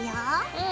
うん。